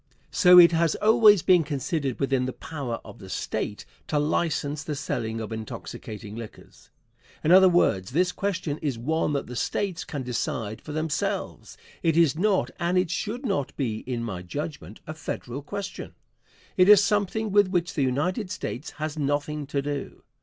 So it has always been considered within the power of the State to license the selling of intoxicating liquors. In other words, this question is one that the States can decide for themselves. It is not, and it should not be, in my judgment, a Federal question. It is something with which the United States has nothing to do.